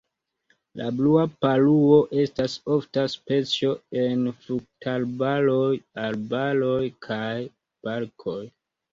La blua paruo estas ofta specio en fruktarbaroj, arbaroj kaj parkoj.